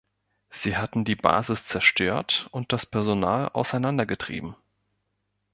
Sie hatten die Basis zerstört und das Personal auseinander getrieben.